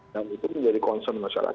dan itu menjadi concern masyarakat